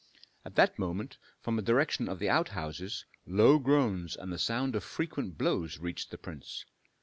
At that moment, from the direction of the outhouses, low groans and the sound of frequent blows reached the prince.